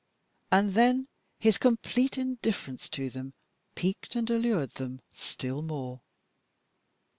And then his complete indifference to them piqued and allured them still more.